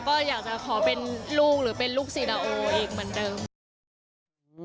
ก็อยากจะขอเป็นลูกหรือเป็นลูกซีดาโออีกเหมือนเดิมค่ะ